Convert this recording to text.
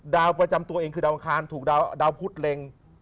ดาวประจำตัวเองคือดาวอังคารถูกดาวพุทธเล็ง